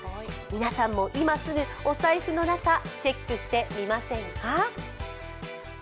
皆さんもいますぐお財布の中、チェックしてみませんか。